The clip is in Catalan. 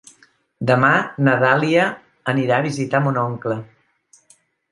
Demà na Dàlia anirà a visitar mon oncle.